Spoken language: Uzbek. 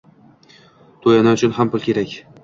To`yona uchun ham pul kerak